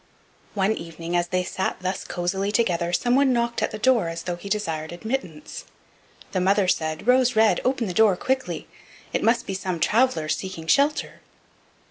One evening as they sat thus cosily together someone knocked at the door as though he desired admittance. The mother said: "Rose red, open the door quickly; it must be some traveler seeking shelter."